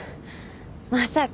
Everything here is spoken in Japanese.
まさか。